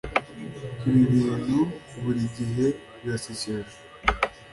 Ibi bintu buri gihe birasekeje